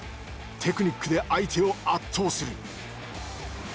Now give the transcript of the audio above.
テクニックで相手を圧倒する。